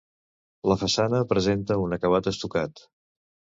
La façana presenta un acabat estucat.